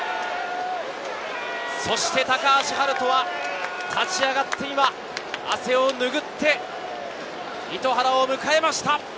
高橋遥人は立ち上がって今、汗を拭って糸原を迎えました。